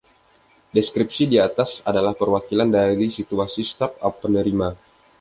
Deskripsi di atas adalah perwakilan dari situasi start-up penerima.